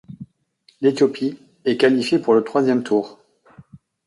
L'Éthiopie est qualifiée pour le troisième tour.